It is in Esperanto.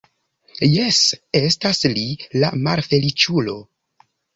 Jes, estas li, la malfeliĉulo.